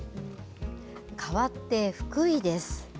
かわって、福井です。